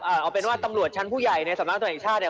เอาเป็นว่าตำรวจชั้นผู้ใหญ่ในสำนักตรวจแห่งชาติเนี่ย